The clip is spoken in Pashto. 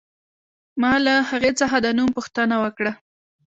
ما له هغې څخه د نوم پوښتنه وکړه